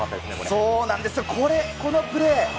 そうなんですよ、このプレー。